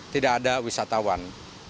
tidak ada wisatawan